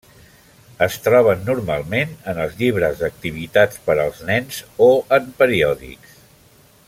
Es troben normalment en els llibres d'activitats per als nens o en periòdics.